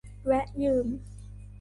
แวะยืม